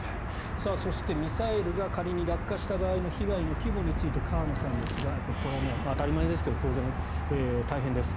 そして、ミサイルが仮に落下した場合の被害の規模について河野さんですが当たり前ですけど当然、大変です。